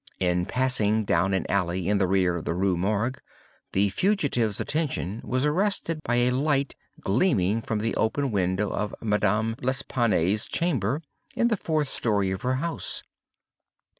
In passing down an alley in the rear of the Rue Morgue, the fugitive's attention was arrested by a light gleaming from the open window of Madame L'Espanaye's chamber, in the fourth story of her house.